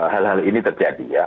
hal hal ini terjadi